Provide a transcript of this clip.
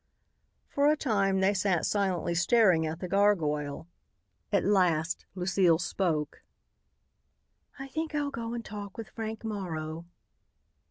For a time they sat silently staring at the gargoyle. At last Lucile spoke. "I think I'll go and talk with Frank Morrow."